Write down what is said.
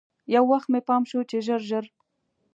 یو وخت مې پام شو چې ژر ژر.